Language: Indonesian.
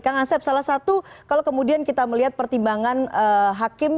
kang asep salah satu kalau kemudian kita melihat pertimbangan hakim